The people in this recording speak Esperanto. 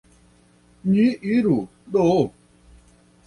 Ni iru, do.